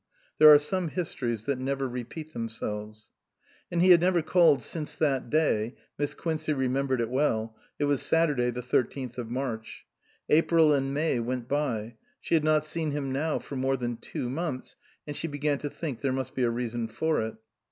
There are some histories that never repeat themselves. And he had never called since that day Miss Quincey remembered it well ; it was Saturday the thirteenth of March. April and May went by ; she had not seen him now for more than two months ; and she began to think there must be a reason for it.